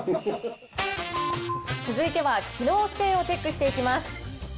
続いては機能性をチェックしていきます。